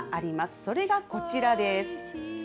それがこちらです。